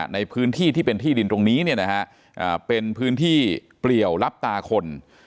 ในพื้นที่ที่เป็นที่ดินตรงนี้เนี่ยนะฮะเป็นพื้นที่เปลี่ยวรับตาคน